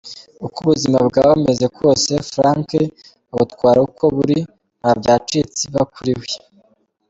Uko ubuzima bwaba bumeze kose , Frank abutwara uko buri ,nta byacitse iba kuri we.